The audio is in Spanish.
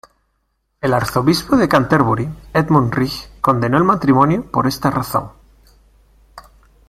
El arzobispo de Canterbury, Edmund Rich, condenó el matrimonio por esta razón.